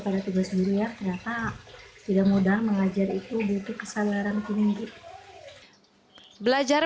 pada tugas sendiri ya ternyata tidak modal mengajar itu butuh kesadaran peninggi belajar